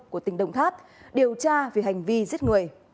của tỉnh đồng tháp điều tra về hành vi giết người